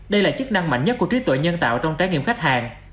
đây là chức năng mạnh nhất của trí tuệ nhân tạo trong trái nghiệm khách hàng